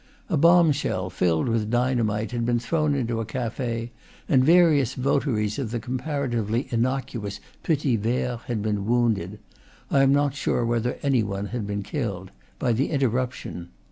A bombshell filled with dynamite had been thrown into a cafe, and various votaries of the comparatively innocuous petit verre had been wounded (I am not sure whether any one had been killed) by the irruption.